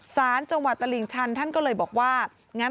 สารจังหวัดตลิ่งชันท่านก็เลยบอกว่างั้น